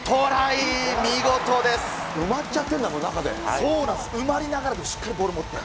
埋まっちゃってんの、これ、そうなんです、埋まりながらも、しっかりボール持って。